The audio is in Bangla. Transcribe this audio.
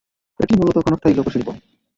এটি মূলত ক্ষণস্থায়ী লোকশিল্প।